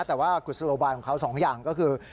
แต่ว่ากุศโลบายของเขาสองอย่างก็คือ